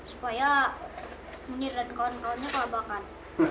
supaya munir dan kawan kawannya kelabakan